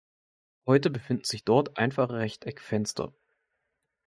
Heute befinden sich dort einfache Rechteckfenster.